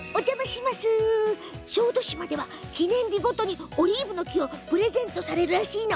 小豆島では記念日ごとにオリーブの木をプレゼントされるらしいの。